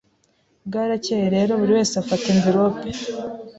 Bwarakeye rero buri wese afata envelope